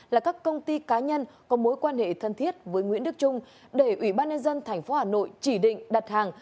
là các công ty cá nhân có mối quan hệ thân thiết với nguyễn đức trung để ủy ban nhân dân tp hà nội chỉ định đặt hàng